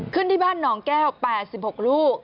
ขึ้นที่บ้านหนองแก้ว๘๖ลูก